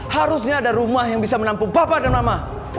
harusnya ada rumah yang bisa menampung papa dan mama